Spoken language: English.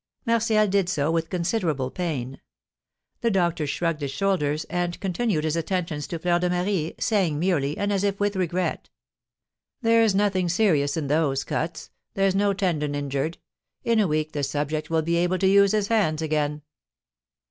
Martial did so with considerable pain. The doctor shrugged his shoulders, and continued his attentions to Fleur de Marie, saying merely, and as if with regret: "There's nothing serious in those cuts, there's no tendon injured. In a week the subject will be able to use his hands again."